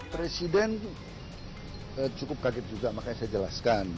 presiden cukup kaget juga makanya saya jelaskan